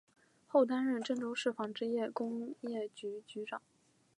后担任郑州市纺织工业局局长。